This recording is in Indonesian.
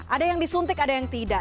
ada yang disuntik ada yang tidak